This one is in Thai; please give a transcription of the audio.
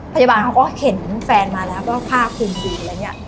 พยาบาลเขาก็เห็นแฟนมาแล้วก็ภาพคุมดูอะไรเงี้ย